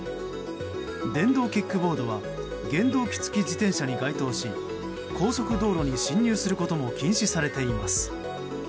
電動キックボードは原動機付き自転車に該当し高速道路に進入することも禁止されています。